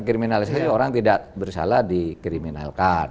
kriminalisasi orang tidak bersalah dikriminalkan